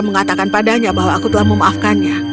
mengatakan padanya bahwa aku telah memaafkannya